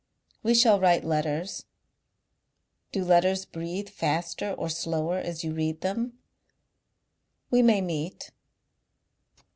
"We shall write letters. Do letters breathe faster or slower as you read them? "We may meet.